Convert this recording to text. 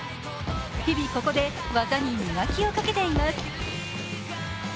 日々、ここで技に磨きをかけています。